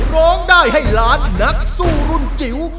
ร้องได้ให้ล้านนักสู้รุ่นจิ๋ว